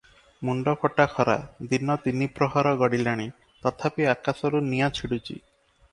ମୁଣ୍ତଫଟା ଖରା; ଦିନ ତିନିପ୍ରହର ଗଡ଼ିଲାଣି; ତଥାପି ଆକାଶରୁ ନିଆଁ ଛିଡୁଛି ।